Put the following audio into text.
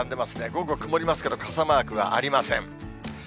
午後曇りますけど、傘マークはありません。